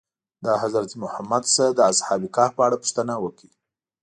د حضرت محمد نه د اصحاب کهف په اړه پوښتنه وکړئ.